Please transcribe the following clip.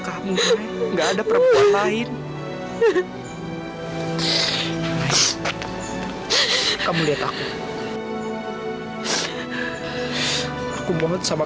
kamu pantes dapat wanita juga yang baik zak